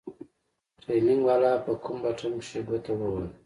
ټرېننگ والا په کوم بټن کښې گوته ووهله.